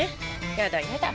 やだやだ。